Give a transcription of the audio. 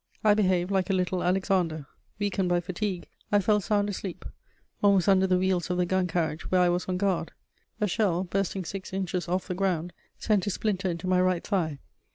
I behaved like a little Alexander: weakened by fatigue, I fell sound asleep, almost under the wheels of the gun carriage where I was on guard. A shell, bursting six inches off the ground, sent a splinter into my right thigh.